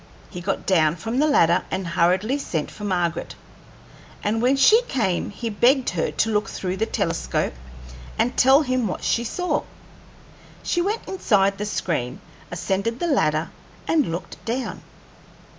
He got down from the ladder and hurriedly sent for Margaret, and when she came he begged her to look through the telescope and tell him what she saw. She went inside the screen, ascended the ladder, and looked down.